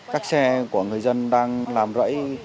các xe của người dân đang làm rẫy